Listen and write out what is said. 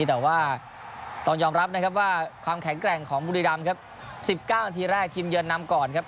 แต่ว่าต้องยอมรับนะครับว่าความแข็งแกร่งของบุรีรำครับ๑๙นาทีแรกทีมเยือนนำก่อนครับ